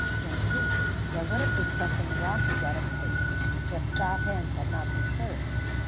In Greece there would have been something wanting at a feast, if fat hens had not been served.